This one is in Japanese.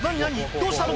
どうしたの？